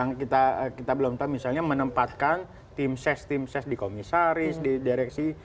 yang kita belum tahu misalnya menempatkan tim ses tim ses di komisaris di direksi